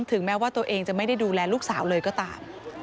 ถึงแม้ว่าตัวเองจะไม่ได้ดูแลลูกสาวเลยก็ตาม